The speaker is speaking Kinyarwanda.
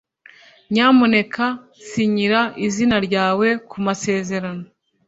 Nyamuneka sinyira izina ryawe kumasezerano.